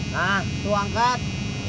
nah lu angkat